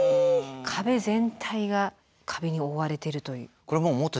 壁全体がカビに覆われているという。